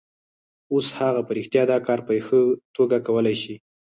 اوس هغه په رښتیا دا کار په ښه توګه کولای شي